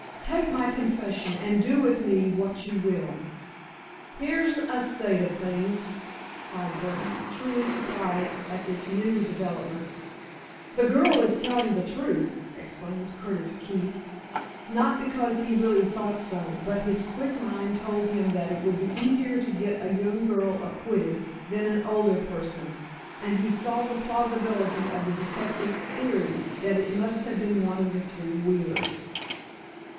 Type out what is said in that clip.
Take my confession, and do with me what you will!" "Here's a state of things!" cried Burdon, truly surprised at this new development. "The girl is telling the truth," exclaimed Curtis Keefe, not because he really thought so but his quick mind told him that it would be easier to get a young girl acquitted than an older person, and he saw the plausibility of the detectives' theory that it must have been one of the three Wheelers.